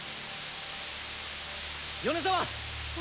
米沢！